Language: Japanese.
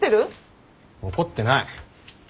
怒ってない。